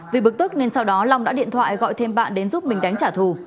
vì bực tức nên sau đó long đã điện thoại gọi thêm bạn đến giúp mình đánh trả thù